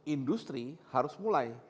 industri harus mulai